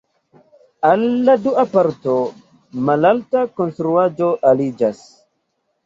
Al la dua parto malalta konstruaĵo aliĝas.